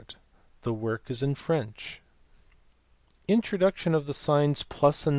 The work is in French. Introduction f of signs + and